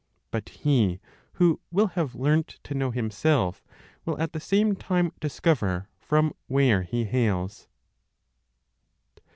But he who will have learnt to know himself will at the same time discover from where he hails.